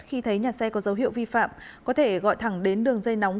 khi thấy nhà xe có dấu hiệu vi phạm có thể gọi thẳng đến đường dây nóng